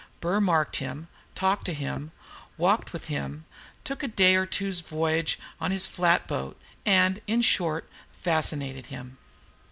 Burr marked him, talked to him, walked with him, took him a day or two's voyage in his flat boat, and, in short, fascinated him.